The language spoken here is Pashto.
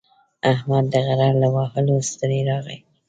احمد د غره له وهلو ستړی راغی.